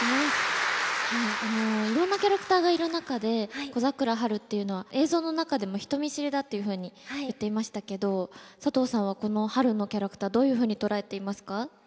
いろんなキャラクターがいる中で小桜ハルっていうのは映像の中でも人見知りだっていうふうに言っていましたけど佐藤さんはこのハルのキャラクターどういうふうに捉えていますか？